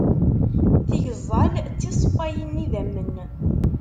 Tigeẓẓal d tiṣeffayin n yidammen.